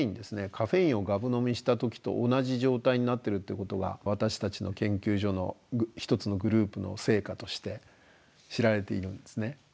カフェインをがぶ飲みした時と同じ状態になってるっていうことが私たちの研究所の一つのグループの成果として知られているんですね。